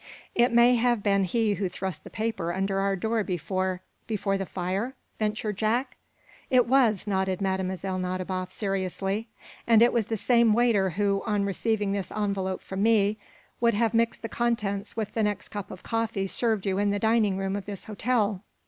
"It may have been he who thrust the paper under our door before before the fire?" ventured Jack. "It was," nodded Mlle. Nadiboff, seriously. "And it was the same waiter who, on receiving this envelope from me, would have mixed the contents with the next cup of coffee served you in the dining room of this hotel.